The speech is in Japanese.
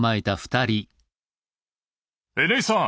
Ｎ井さん！